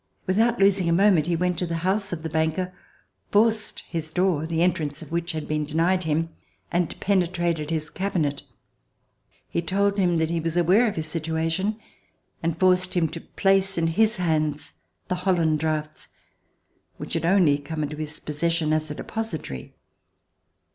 Without losing a moment, he went to the house of the banker, forced his door, the entrance of which had been denied him, and penetrated his cabinet. He told him that he was aware of his situation and forced him to place in his hands the Holland drafts which had only come into his possession as a de positary.